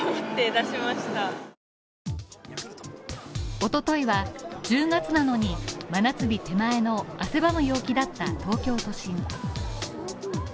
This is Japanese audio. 一昨日は１０月なのに真夏日手前の汗ばむ陽気だった東京都心。